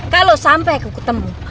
kalau sampai ketemu